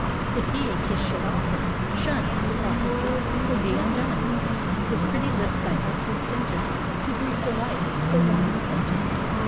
If he a kiss should offer, shunThe proffered gift, or be undone; His pretty lips thy heart would sentenceTo brief delight, but long repentance.